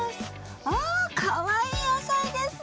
あかわいい野菜ですね！